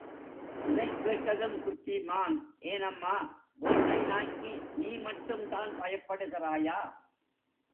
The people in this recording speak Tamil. இதைக் கேட்டதும் குட்டி மான், ஏனம்மா, வேட்டை நாய்க்கு நீ மட்டும்தான் பயப்படுகிறாயா?